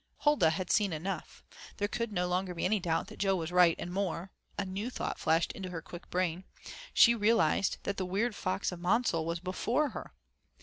Huldah had seen enough. There could no longer be any doubt that Jo was right and more a new thought flashed into her quick brain, she realized that the weird fox of Monsal was before her.